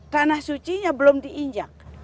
tanah sucinya belum diinjak